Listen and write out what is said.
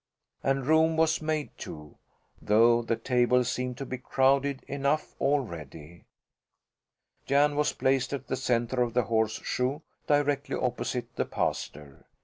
And room was made, too, though the table seemed to be crowded enough already. Jan was placed at the centre of the horseshoe, directly opposite the pastor.